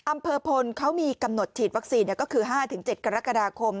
อำเภอพลเขามีกำหนดฉีดวัคซีนก็คือ๕๗กรกฎาคม